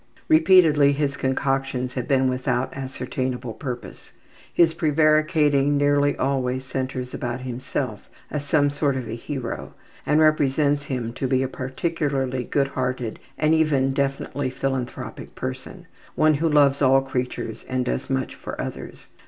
Repeatedly his concoctions have been without ascertainable purpose. His prevaricating nearly always centers about himself as some sort of a hero and represents him to be a particularly good hearted and even definitely philanthropic person one who loves all creatures and does much for others.